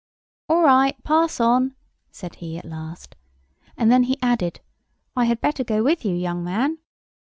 "All right—pass on," said he at last. And then he added: "I had better go with you, young man."